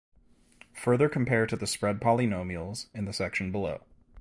Further compare to the spread polynomials, in the section below.